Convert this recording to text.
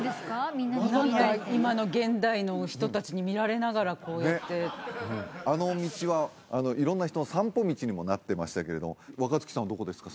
みんなに見られて今の現代の人達に見られながらこうやってあの道は色んな人の散歩道にもなってましたけれども若槻さんはどこですか？